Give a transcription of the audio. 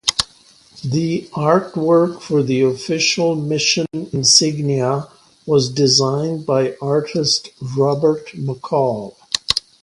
The artwork for the official mission insignia was designed by artist Robert McCall.